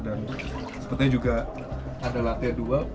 dan sepertinya juga ada latihan dua